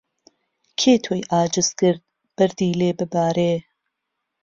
کێ تۆی عاجز کرد بەردی لێ ببارێ